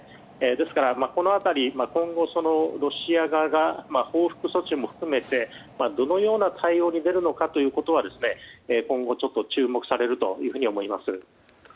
ですから、この辺り今後、ロシア側が報復措置も含めてどのような対応に出るのかは今後、ちょっと注目されると思います。